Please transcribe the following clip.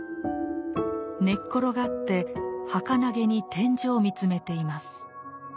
寝っ転がってはかなげに天井を見つめています。